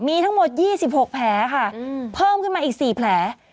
มีทั้งหมด๒๖แผลค่ะเพิ่มขึ้นมาอีก๔แผล